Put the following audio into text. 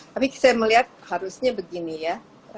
tapi saya melihat harusnya begini ya